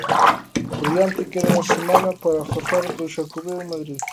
Por diante queda unha semana para gozar do Xacobeo en Madrid.